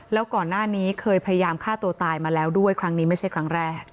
แล้วก่อนหน้านี้เคยพยายามฆ่าตัวตายมาแล้วด้วยครั้งนี้ไม่ใช่ครั้งแรก